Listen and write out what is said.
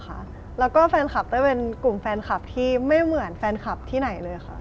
แล้วก็แฟนคลับเต้ยเป็นกลุ่มแฟนคลับที่ไม่เหมือนแฟนคลับที่ไหนเลยค่ะ